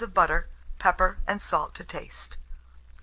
of butter; pepper and salt to taste.